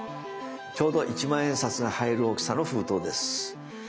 ちょうど一万円札が入る大きさの封筒です。